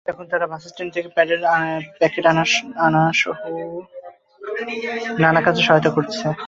এখন তারাই বাসস্ট্যান্ড থেকে প্যাডের প্যাকেট আনাসহ নানা কাজে সহায়তা করছে।